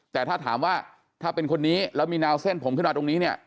แต่ถ้าถามว่าถ้าเป็นคนนี้แล้วมีแนวเส้นผมขึ้นมาตรงนี้เนี่ย